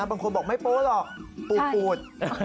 บางคนบอกไม่โป๊ะหรอกปูด